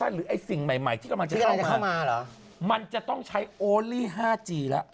หาวทั้งปี